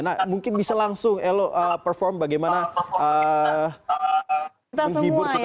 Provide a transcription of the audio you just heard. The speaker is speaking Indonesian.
nah mungkin bisa langsung elo perform bagaimana menghibur kita